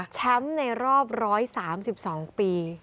แชมป์ในรอบ๑๓๒ปี